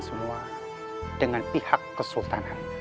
semua dengan pihak kesultanan